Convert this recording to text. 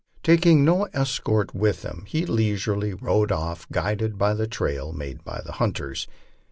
Taking no escort with him, he leisurely rode off, guided by the trail made by the hunters.